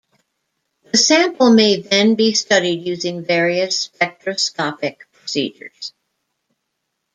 The sample may then be studied using various spectroscopic procedures.